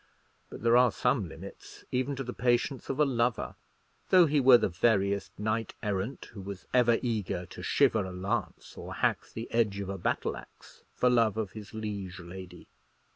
But there are some limits even to the patience of a lover, though he were the veriest knight errant who was ever eager to shiver a lance or hack the edge of a battle axe for love of his liege lady.